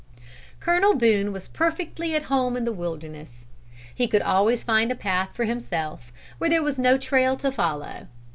Colonel Boone was perfectly at home in the wilderness. He could always find a path for himself, where there was no trail to follow.